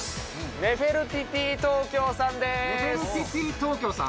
ネフェルティティ東京さん？